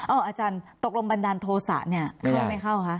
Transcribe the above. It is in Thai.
อาจารย์ตกลงบันดาลโทษะเนี่ยเข้าไม่เข้าคะ